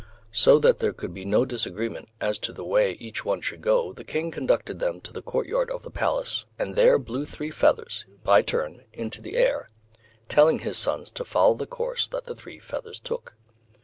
So that there could be no disagreement as to the way each one should go, the King conducted them to the courtyard of the Palace, and there blew three feathers, by turn, into the air, telling his sons to follow the course that the three feathers took.